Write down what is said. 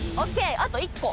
あと１個。